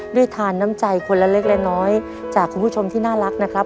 ด้วยทานน้ำใจคนละเล็กละน้อยจากคุณผู้ชมที่น่ารักนะครับ